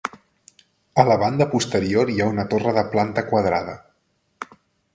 A la banda posterior hi ha una torre de planta quadrada.